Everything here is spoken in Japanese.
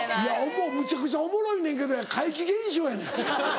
むちゃくちゃおもろいねんけどや怪奇現象やねん。